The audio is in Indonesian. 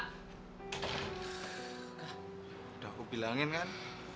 sudah aku bilangkan kan